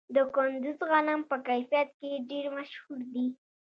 د کندز غنم په کیفیت کې ډیر مشهور دي.